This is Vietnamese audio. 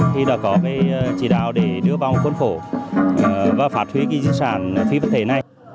thì đã có chỉ đạo để đưa vào khuôn khổ và phạt huy di sản phí vật thể này